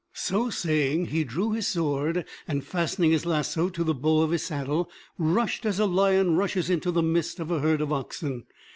So saying he drew his sword, and fastening his lasso to the bow of his saddle, rushed as a lion rushes into the midst of a herd of oxen.